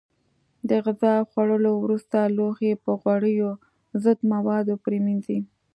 د غذا خوړلو وروسته لوښي په غوړیو ضد موادو پرېمنځئ.